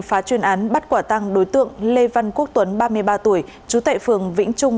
phá chuyên án bắt quả tăng đối tượng lê văn quốc tuấn ba mươi ba tuổi trú tại phường vĩnh trung